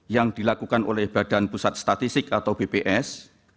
yang dilakukan oleh badan pusat statistik atau bps